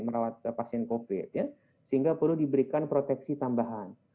merawat pasien covid sehingga perlu diberikan proteksi tambahan